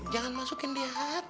jangan dimasukin dia hati